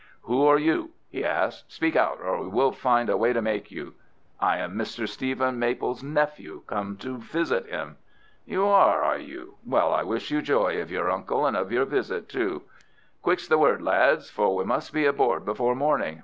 "Who are you?" he asked. "Speak out, or we'll find a way to make you." "I am Mr. Stephen Maple's nephew, come to visit him." "You are, are you? Well, I wish you joy of your uncle and of your visit too. Quick's the word, lads, for we must be aboard before morning.